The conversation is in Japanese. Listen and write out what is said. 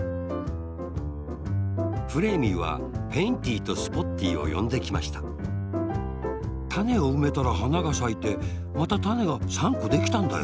フレーミーはペインティーとスポッティーをよんできましたたねをうめたらはながさいてまたたねが３こできたんだよ。